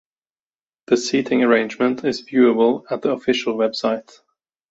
The seating arrangement is viewable at the official website.